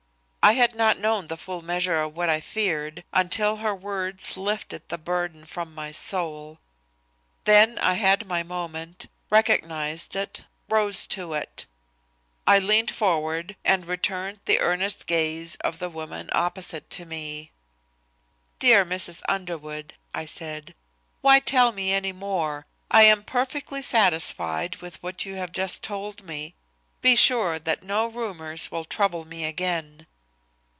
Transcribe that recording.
I had not known the full measure of what I feared until her words lifted the burden from my soul. Then I had my moment, recognized it, rose to it. I leaned forward and returned the earnest gaze of the woman opposite to me. "Dear Mrs. Underwood," I said. "Why tell me any more? I am perfectly satisfied with what you have just told me. Be sure that no rumors will trouble me again."